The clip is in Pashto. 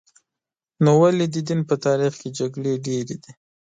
نو ولې د دین په تاریخ کې جګړې ډېرې دي؟